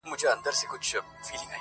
يو ديدن يې دئ وروستى ارمان راپاته!.